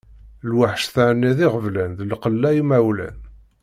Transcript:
Lweḥc terniḍ iɣeblan d lqella imawlan.